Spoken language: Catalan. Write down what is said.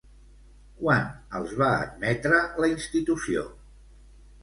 Quan els va admetre la institució?